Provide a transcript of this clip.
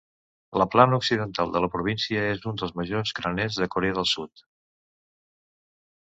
La plana occidental de la província és un dels majors graners de Corea del Sud.